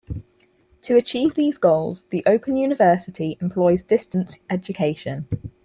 To achieve these goals, the Open University employs distance education.